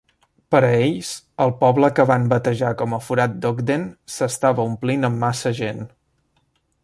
Per a ells, el poble que van batejar com a "forat d'Ogden" s'estava omplint amb massa gent.